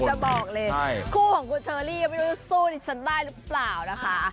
คู่ของกูเชอรี่ก็ไม่รู้จะสู้ดิฉันได้หรือเปล่านะคะ